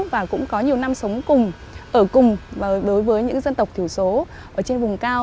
và cũng có nhiều năm sống cùng ở cùng đối với những dân tộc thiểu số ở trên vùng cao